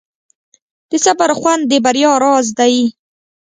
د صبر خوند د بریا راز دی.